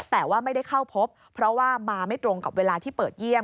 แต่ว่าไม่ได้เข้าพบเพราะว่ามาไม่ตรงกับเวลาที่เปิดเยี่ยม